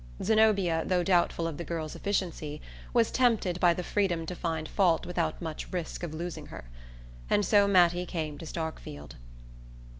Zenobia, though doubtful of the girl's efficiency, was tempted by the freedom to find fault without much risk of losing her; and so Mattie came to Starkfield.